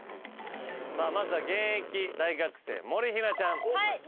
まずは現役大学生もりひなちゃん。